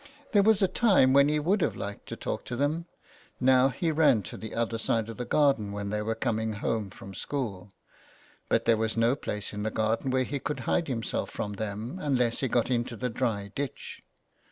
There was a time when he would have liked to talk to them, now he ran to the other side of the garden when they were coming home from school ; but there was no place in the garden where he could hide himself from them, unless he got into the dry ditch.